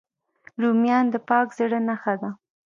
رومیان د پاک زړه نښه ده